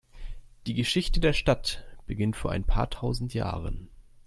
Die Geschichte der Stadt beginnt vor ein paar tausend Jahren.